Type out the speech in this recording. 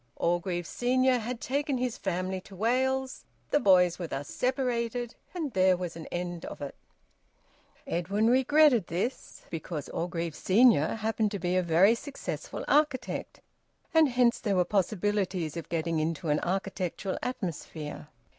Orgreave senior had taken his family to Wales; the boys were thus separated, and there was an end of it. Edwin regretted this, because Orgreave senior happened to be a very successful architect, and hence there were possibilities of getting into an architectural atmosphere.